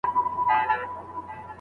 په عشق کې دومره رسميت هيڅ باخبر نه کوي